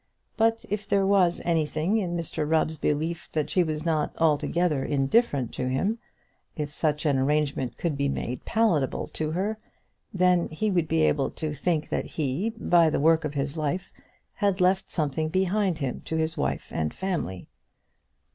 But if there was anything in Mr Rubb's belief that she was not altogether indifferent to him, if such an arrangement could be made palatable to her, then he would be able to think that he, by the work of his life, had left something behind him to his wife and family.